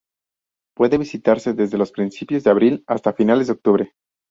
Puede visitarse desde principios de abril hasta finales de octubre.